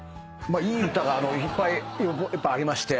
まあいい歌がいっぱいありまして。